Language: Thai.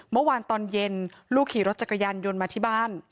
เมื่อวานตอนเย็นลูกขี่รถจักรยานยนต์มาที่บ้าน